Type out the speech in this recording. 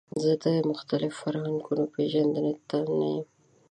زه د مختلفو فرهنګونو پیژندنې ته نه یم.